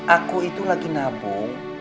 aku udah mulai gerak depan